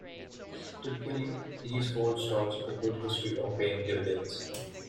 Typically these hold stocks with a good history of paying dividends.